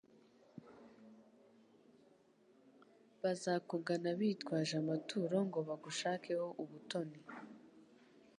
bazakugana bitwaje amaturo ngo bagushakeho ubutoni